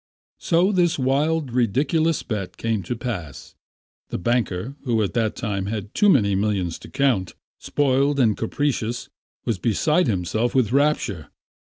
So this wild, ridiculous bet came to pass. The banker, who at that time had too many millions to count, spoiled and capricious, was beside himself with rapture.